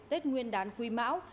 tết nguyên đán khuy mão